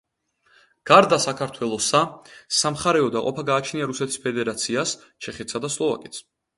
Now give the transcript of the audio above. გარდა საქართველოსა, სამხარეო დაყოფა გააჩნია რუსეთის ფედერაციას, ჩეხეთსა და სლოვაკეთს.